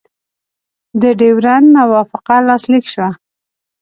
د ډیورنډ موافقه لاسلیک شوه.